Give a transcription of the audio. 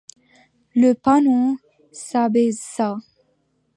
Le panneau s’abaissa.